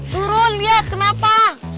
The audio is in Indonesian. turun liat kenapa